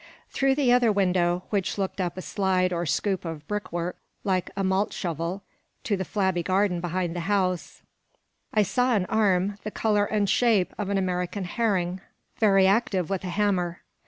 Through the other window (which looked up a slide or scoop of brickwork, like a malt shovel, to the flabby garden behind the house), I saw an arm, the colour and shape of an American herring, very active with a hammer.